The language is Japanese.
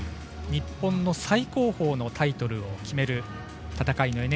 日本の最高峰のタイトルを決める戦いのＮＨＫ杯。